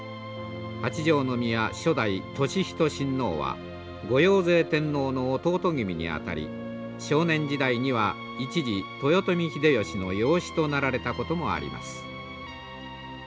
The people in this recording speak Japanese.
八条宮初代智仁親王は後陽成天皇の弟君にあたり少年時代には一時豊臣秀吉の養子となられたこともあります。